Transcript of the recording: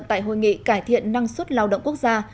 tại hội nghị cải thiện năng suất lao động quốc gia